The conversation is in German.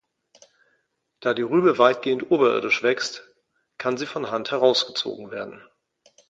Da die Rübe weitgehend oberirdisch wächst, kann sie von Hand herausgezogen werden.